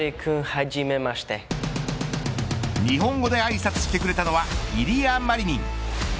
日本語であいさつしてくれたのはイリア・マリニン。